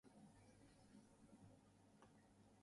She also used the name Alice Williams.